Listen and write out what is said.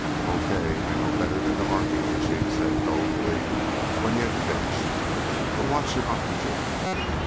"Okay, I know better than to argue," the Chief said dolefully when he had finished. "But watch your oxygen."